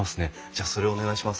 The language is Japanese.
じゃあそれお願いします。